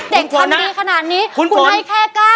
เด็กความดีขนาดนี้คุณให้แค่ก้าว